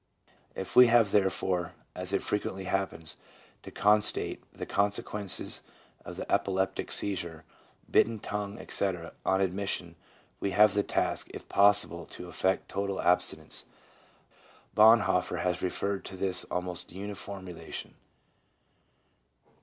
If we have, therefore, as it frequently happens, to constate the consequences of the epileptic seizure, bitten tongue, etc., on admission, we have the task, if possible, to effect total abstinence. Bonhoffer has referred to this almost uniform relation."